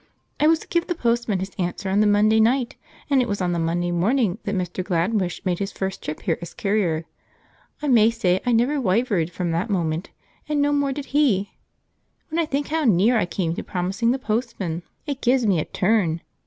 "I was to give the postman his answer on the Monday night, and it was on the Monday morning that Mr. Gladwish made his first trip here as carrier. I may say I never wyvered from that moment, and no more did he. When I think how near I came to promising the postman it gives me a turn."